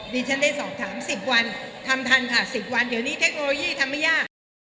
ดิฉันได้สอบถาม๑๐วันทำทันค่ะ๑๐วันเดี๋ยวนี้เทคโนโลยีทำไม่ยาก